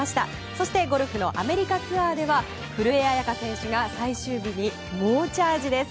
そしてゴルフのアメリカツアーでは古江彩佳選手が最終日に猛チャージです。